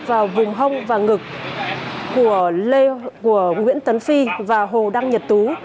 vào vùng hông và ngực của nguyễn tấn phi và hồ đăng nhật tú